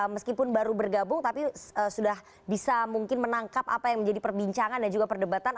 meskipun baru bergabung tapi sudah bisa mungkin menangkap apa yang menjadi perbincangan dan juga perdebatan